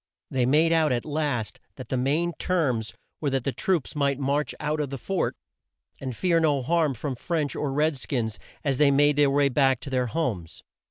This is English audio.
They made out at last that the main terms were that the troops might march out of the fort, and fear no harm from French or red skins as they made their way back to their homes.